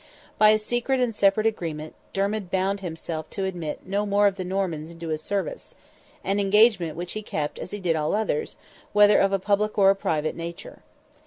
By a secret and separate agreement Dermid bound himself to admit no more of the Normans into his service—an engagement which he kept as he did all others, whether of a public or a private nature.